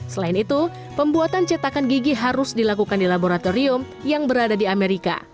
selain itu pembuatan cetakan gigi harus dilakukan di laboratorium yang berada di amerika